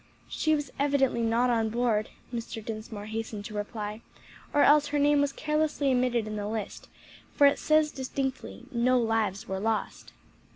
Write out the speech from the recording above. "She was evidently not on board," Mr. Dinsmore hastened to reply, "or else her name was carelessly omitted in the list, for it says distinctly, 'No lives were lost.'"